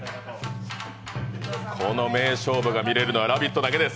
この名勝負が見れるのは「ラヴィット！」だけです。